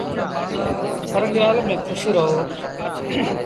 هر ڳآل ميݩ کُوش رهو